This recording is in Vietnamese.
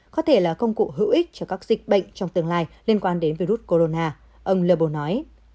có thể là công cụ hữu ích cho các dịch bệnh trong tương lai liên quan đến virus corona ông lebo nói